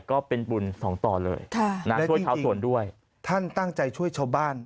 ก็เป็นบุญสองต่อเลยค่ะนะช่วยชาวสวนด้วยท่านตั้งใจช่วยชาวบ้าน